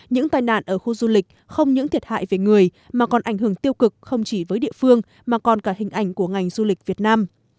những tai nạn ở khu du lịch không những thiệt hại về người mà còn ảnh hưởng tiêu cực không chỉ với địa phương mà còn cả hình ảnh của ngành du lịch việt nam